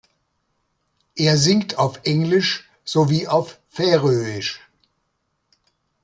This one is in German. Er singt auf Englisch sowie auf Färöisch.